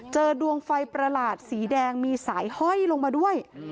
เจอดวงไฟประหลาดสีแดงมีสายห้อยลงมาด้วย